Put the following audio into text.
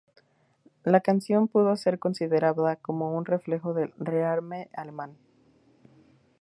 La canción pudo ser considerada como un reflejo del rearme alemán.